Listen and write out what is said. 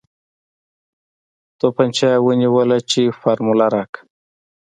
تمانچه يې ونيوله چې فارموله راکه.